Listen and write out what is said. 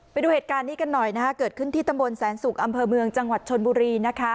ไปดูเหตุการณ์นี้กันหน่อยนะคะเกิดขึ้นที่ตำบลแสนสุกอำเภอเมืองจังหวัดชนบุรีนะคะ